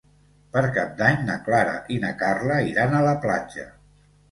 Per Cap d'Any na Clara i na Carla iran a la platja.